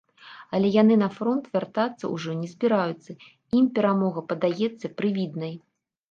Але яны на фронт вяртацца ўжо не збіраюцца, ім перамога падаецца прывіднай.